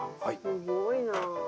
すごいなあ。